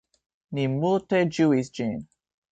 Ni multe ĝuis ĝin.